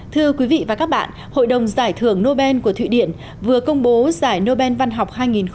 thưa quý vị và các bạn hội đồng giải thưởng nobel của thụy điển vừa công bố giải nobel văn học hai nghìn hai mươi